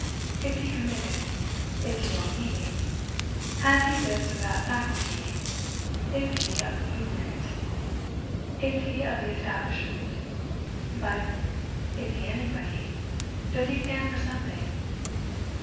is he committed? is he well meaning? has he this or that faculty? is he of the movement? is he of the establishment? but, Is he anybody? does he stand for something?